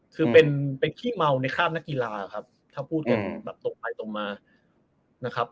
คือเป็นขี้เมาในคราบนักกีฬาครับถ้าพูดกันแบบตรงไปตรงมานะครับ